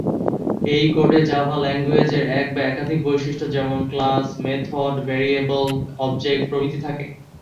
এই কোডে Java language এর এক বা একাধিক বৈশিষ্ট্য যেমন ক্লাস, মেথড, ভ্যারিয়েবল, অবজেক্ট প্রভৃতি থাকে।